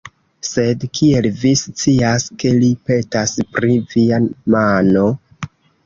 Sed, kiel vi scias, ke li petas pri via mano?